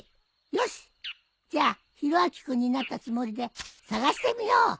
よしじゃひろあき君になったつもりで捜してみよう。